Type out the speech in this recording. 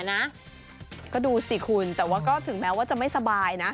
นะก็ดูสิคุณแต่ว่าก็ถึงแม้ว่าจะไม่สบายนะ